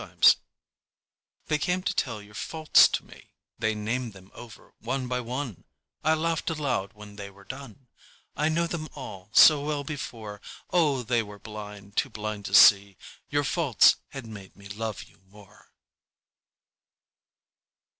Faults They came to tell your faults to me, They named them over one by one; I laughed aloud when they were done, I knew them all so well before, Oh, they were blind, too blind to see Your faults had made me love you more.